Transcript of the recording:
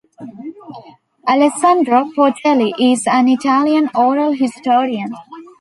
Alessandro Portelli is an Italian oral historian.